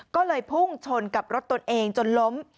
ก็เลยพุ่งชนกับรถตนเองจนล้ม